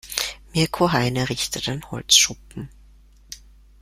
Mirko Hein errichtet einen Holzschuppen.